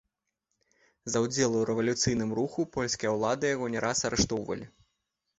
За ўдзел у рэвалюцыйным руху польскія ўлады яго не раз арыштоўвалі.